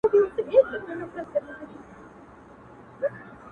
هغه خو زما کره په شپه راغلې نه ده.